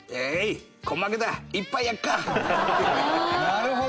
なるほど！